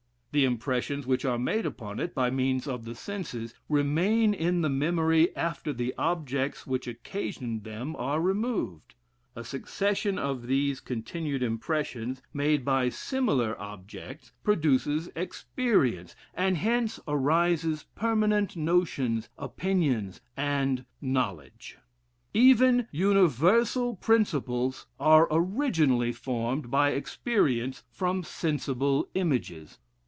The impressions which are made upon it, by means of the senses, remain in the memory, after the objects which occasioned them are removed; a succession of these continued impressions, made by similar, objects, produces experience; and hence arises permanent notions, opinions, and knowledge. Even universal principles are originally formed by experience from sensible images.